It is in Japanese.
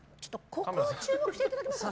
ここ注目していただけますか。